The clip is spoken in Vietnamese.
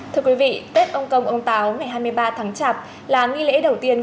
thưa quý vị tết ông công ông táo ngày hai mươi ba tháng chạp là nghi lễ đầu tiên